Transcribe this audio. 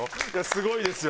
すごいですよ